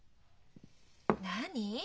何？